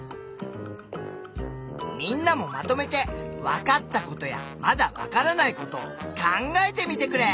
みんなもまとめてわかったことやまだわからないことを考えてみてくれ！